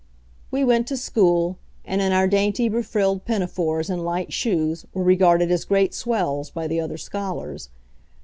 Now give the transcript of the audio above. We went to school, and in our dainty befrilled pinafores and light shoes were regarded as great swells by the other scholars.